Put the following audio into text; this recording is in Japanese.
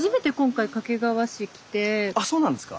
あっそうなんですか？